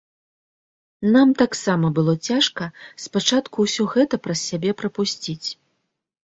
Нам таксама было цяжка спачатку ўсё гэта праз сябе прапусціць.